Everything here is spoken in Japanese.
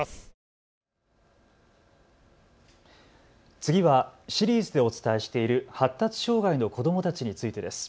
次はシリーズでお伝えしている発達障害の子どもたちについてです。